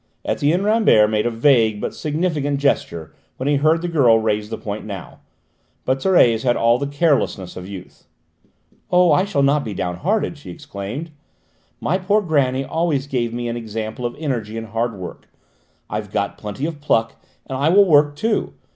Etienne Rambert made a vague, but significant gesture when he heard the girl raise the point now, but Thérèse had all the carelessness of youth. "Oh, I shall not be down hearted," she exclaimed. "My poor grannie always gave me an example of energy and hard work; I've got plenty of pluck, and I will work too.